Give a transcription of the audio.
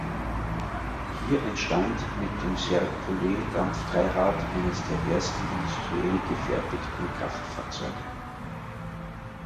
Hier entstand mit dem Serpollet-Dampfdreirad eines der ersten industriell gefertigten Kraftfahrzeuge.